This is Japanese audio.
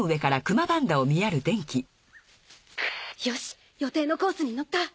よし予定のコースにのった。